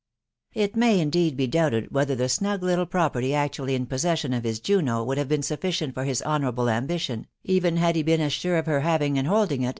It may indeed be doubted whether, tip snug little property actually in possession of his Juno would have been sufficient for his honourable am bition, even had he been as sure of her having and holding it.